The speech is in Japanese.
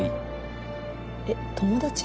えっ友達？